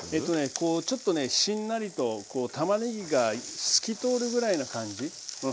こうちょっとねしんなりとこうたまねぎが透き通るぐらいな感じうん。